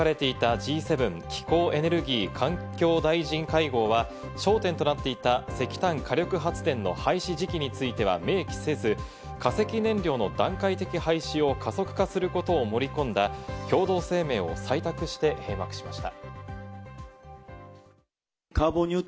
札幌市で開かれていたＧ７気候・エネルギー・環境大臣会合は焦点となっていた石炭火力発電の廃止時期については明記せず、化石燃料の段階的廃止を加速化することを盛り込んだ共同声明を採択して閉幕しました。